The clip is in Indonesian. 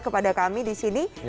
kepada kami disini